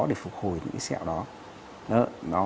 để phục hồi những cái sẹo đó